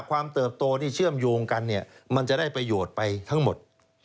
ความเติบโตชื่อมโยงกันจะได้ประโยชน์ไปทั้งหมด